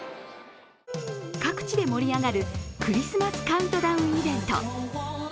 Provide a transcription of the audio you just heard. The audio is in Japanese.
各地で盛り上がるクリスマスカウントダウンイベント。